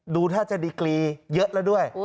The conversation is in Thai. ดูท่าจะดีกรีเยอะแล้วด้วย